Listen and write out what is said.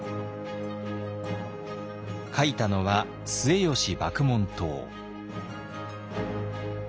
書いたのは末吉麦門冬。